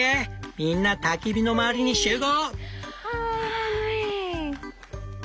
みんなたき火の周りに集合！」。